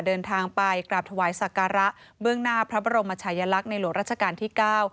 เดินทางไปกราบถวายสักการะเบื้องหน้าพระบรมชายลักษณ์ในหลวงราชการที่เก้า